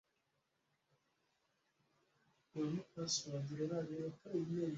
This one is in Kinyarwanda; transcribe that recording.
Scheel yahindutse ijisho rye rigororotse arahindukira